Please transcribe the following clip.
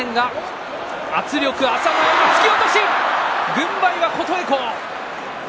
軍配は琴恵光。